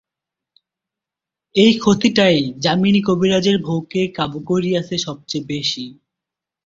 এই ক্ষতিটাই যামিনী কবিরাজের বৌকে কাবু করিয়াছে সবচেয়ে বেশি।